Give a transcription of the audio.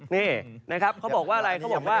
นี่นะครับเขาบอกว่าอะไร